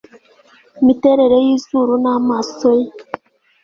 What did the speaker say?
imiterere y'izuru n'amaso ye